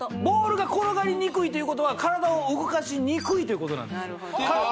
ボールが転がりにくいということは体を動かしにくいということなんですあ